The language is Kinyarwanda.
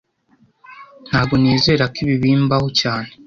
Ntago nizera ko ibi bimbaho cyane